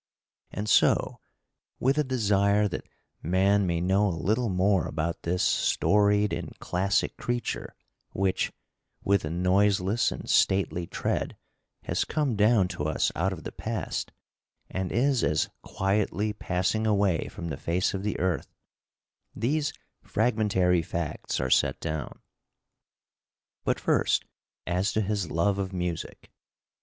And so, with a desire that man may know a little more about this storied and classic creature which, with noiseless and stately tread, has come down to us out of the past, and is as quietly passing away from the face of the earth, these fragmentary facts are set down. But first as to his love of music.